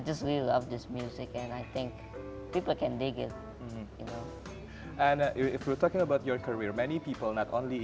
jika kita bicara tentang karirmu banyak orang bukan hanya di indonesia